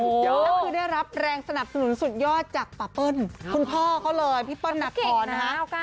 แล้วคือได้รับแรงสนับสนุนสุดยอดจากป่าเปิ้ลคุณพ่อเขาเลยพี่เปิ้ลนาคอนนะคะ